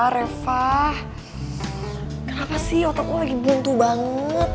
kenapa sih otak lo lagi buntu banget